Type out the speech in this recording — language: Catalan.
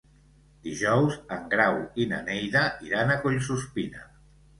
Dijous en Grau i na Neida iran a Collsuspina.